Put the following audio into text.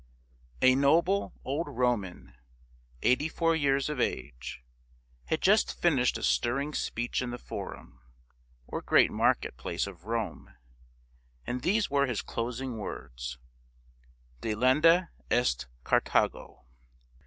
" A noble old Roman, eighty four years of age, had just finished a stirring speech in the Forum, or great market place of Rome, and these were his closing words: "Delenda est Carthago!"